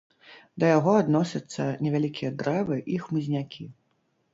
Да яго адносяцца невялікія дрэвы і хмызнякі.